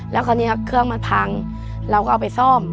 แล้วคราวนี้เครื่องมันพังเราก็เอาไปซ่อม